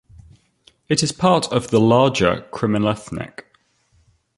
It is a part of the larger CrimethInc.